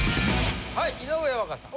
はい井上和香さん。